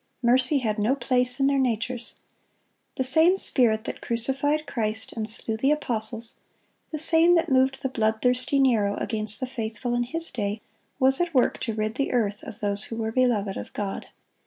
Mercy had no place in their natures. The same spirit that crucified Christ and slew the apostles, the same that moved the bloodthirsty Nero against the faithful in his day, was at work to rid the earth of those who were beloved of God.